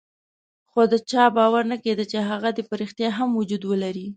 خو د چا باور نه کېده چې هغه دې په ريښتیا هم وجود ولري.